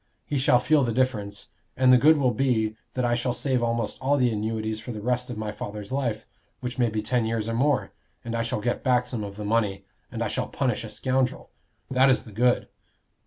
He shall feel the difference. And the good will be, that I shall save almost all the annuities for the rest of my father's life, which may be ten years or more, and I shall get back some of the money, and I shall punish a scoundrel. That is the good."